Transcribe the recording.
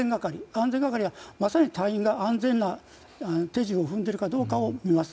安全係はまさに隊員が安全な手順を踏んでいるかどうかを見ます。